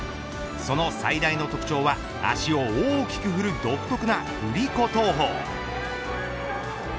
その最大の特徴は足を大きく振る独特な振り子投法。